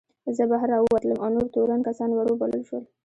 زه بهر راووتلم او نور تورن کسان ور وبلل شول.